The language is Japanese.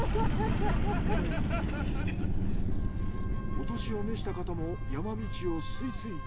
お年を召した方も山道をスイスイ。